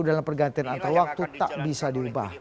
dalam pergantian antar waktu tak bisa diubah